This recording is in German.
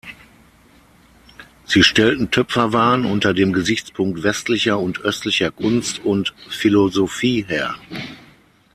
Sie stellten Töpferwaren unter dem Gesichtspunkt westlicher und östlicher Kunst und Philosophie her.